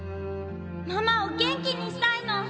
ママを元気にしたいの！